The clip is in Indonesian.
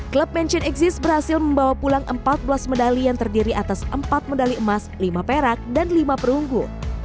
klub mansion exis berhasil membawa pulang empat belas medali yang terdiri atas empat medali emas lima perak dan lima perunggu